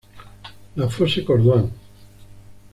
La Fosse-Corduan